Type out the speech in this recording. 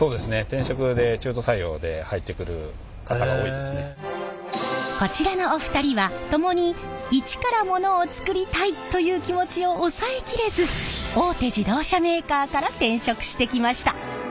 転職でこちらのお二人はともに一からモノを作りたいという気持ちを抑え切れず大手自動車メーカーから転職してきました。